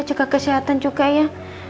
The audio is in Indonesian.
jaga kesehatan juga ya